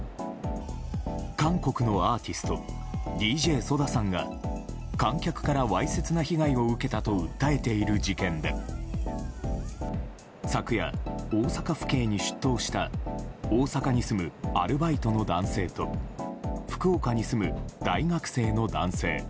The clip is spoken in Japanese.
韓国のアーティストＤＪＳＯＤＡさんが観客から、わいせつな被害を受けたと訴えている事件で昨夜、大阪府警に出頭した大阪に住むアルバイトの男性と福岡に住む大学生の男性。